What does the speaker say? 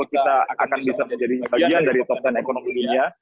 kita akan bisa menjadi bagian dari top sepuluh dunia